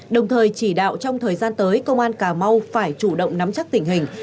đồng thời chỉ đạo trong thời gian tới công an cà mau phải chủ động nắm chắc tình hình